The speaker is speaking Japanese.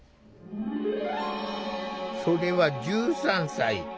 それは１３歳。